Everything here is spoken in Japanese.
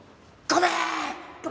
「ごめーん」。